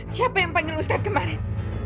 siapa yang panggil ustadz kemarin